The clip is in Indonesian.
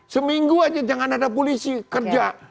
seminggu aja jangan ada polisi kerja